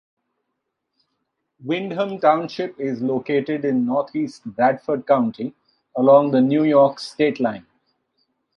Windham Township is located in northeast Bradford County, along the New York state line.